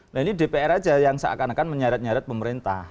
nah ini dpr saja yang seakan akan menyarat nyarat pemerintah